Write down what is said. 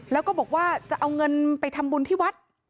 แล้วก็บอกว่าจะเอาเงินไปทำบุญที่วัด